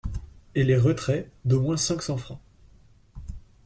et les retraits, d'au moins cinq cents fr.